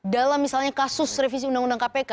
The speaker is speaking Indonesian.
dalam misalnya kasus revisi undang undang kpk